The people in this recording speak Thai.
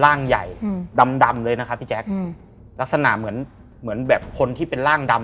ร่างใหญ่อืมดำดำเลยนะคะพี่แจ๊คอืมลักษณะเหมือนเหมือนแบบคนที่เป็นร่างดำ